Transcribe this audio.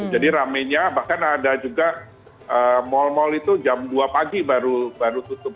jadi rame nya bahkan ada juga mal mal itu jam dua pagi baru tutup